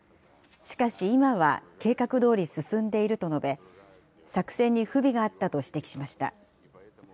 しかし、今は計画どおり進んでいると述べ、作戦に不備があったと指摘しました。